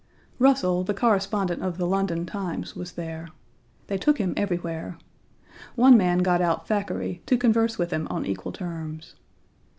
Russell, 1 the correspondent of the London Times, was there. They took him everywhere. One man got out Thackeray to converse with him on equal terms.